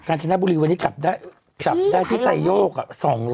การจนบุรีวันนี้จับได้ที่ไซโยก๒๐๐กับ๓๐๐